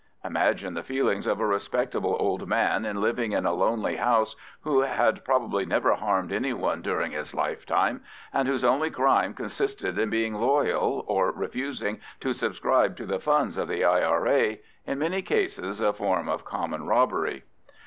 Imagine the feelings of a respectable old man living in a lonely house, who had probably never harmed any one during his lifetime, and whose only crime consisted in being loyal or refusing to subscribe to the funds of the I.R.A., in many cases a form of common robbery.